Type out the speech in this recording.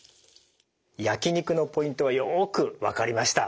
焼き肉のポイントはよく分かりました。